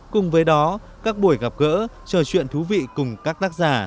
cùng với đó các buổi gặp gỡ trò chuyện thú vị cùng các tác giả